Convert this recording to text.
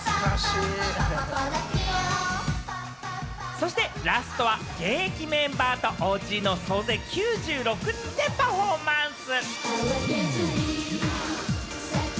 そしてラストは、現役メンバーとＯＧの総勢９６人でパフォーマンス！